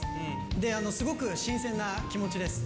で、すごく新鮮な気持ちです。